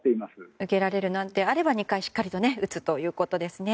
受けられるなら２回しっかり打つということですね。